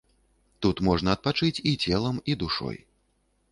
Тут можна адпачыць і целам, і душой.